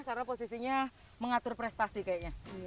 karena posisinya mengatur prestasi kayaknya